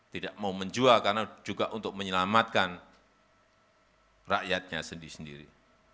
tidak mau menjual karena juga untuk menyelamatkan rakyatnya sendiri sendiri